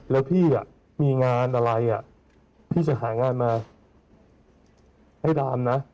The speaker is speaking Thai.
แล้วพี่มีงานอะไรพี่จะหางานมาให้ดามนะ